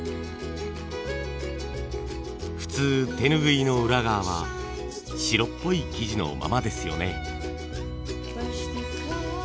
普通手ぬぐいの裏側は白っぽい生地のままですよね。